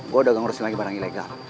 gue udah ngerusin lagi barang ilegal